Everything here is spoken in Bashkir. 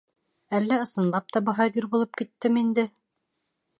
Әллә, ысынлап та, баһадир булып киттем инде?